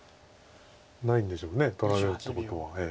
ないんでしょう取られるってことは。